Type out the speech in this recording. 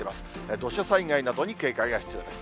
土砂災害などに警戒が必要です。